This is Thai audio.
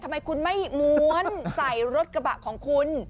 ทำไมคุณไม่ม้วนใส่รถกระบะของคุณ